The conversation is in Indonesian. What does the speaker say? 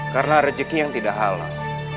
karena rejeki yang tidak halal